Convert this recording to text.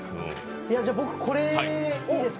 じゃ、僕これいいですか。